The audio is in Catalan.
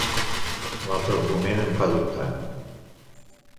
L'altre argument em fa dubtar.